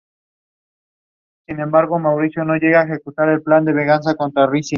Fue investigador en cirugía en el Hospital General de Massachusetts durante dos años.